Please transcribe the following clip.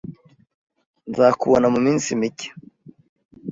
Nzakubona muminsi mike.